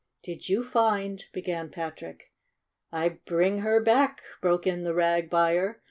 "Did you find " began Patrick. "I bring her back!" broke in the rag buyer.